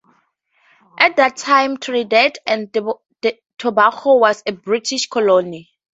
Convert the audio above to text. At that time Trinidad and Tobago was a British Colony.